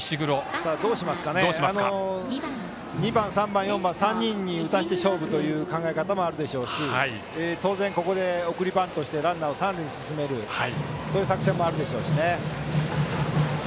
２番、３番、４番と３人に打たせて勝負という考え方もあると思いますし当然、ここで送りバントしてランナーを三塁に進めるという作戦もあるでしょうしね。